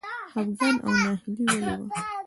خپګان او ناهیلي ولې وه.